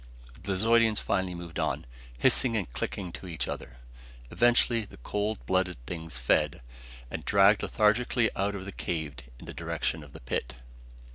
The Zeudians finally moved on, hissing and clicking to each other. Eventually the cold blooded things fed, and dragged lethargically out of the cave in the direction of the pit.